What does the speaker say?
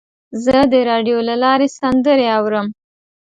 زه د راډیو له لارې سندرې اورم.